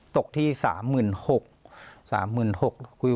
ตกที่๓๖๐๐๐บาท